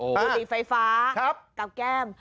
บุตรตรีไฟฟ้ากับแก้ม